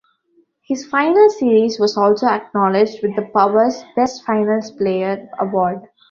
His finals series was also acknowledged with the Power's 'Best Finals Player' award.